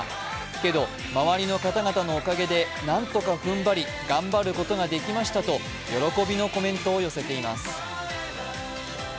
けど周りの方々のおかげで何とか踏ん張り頑張ることができましたと喜びのコメントを寄せています。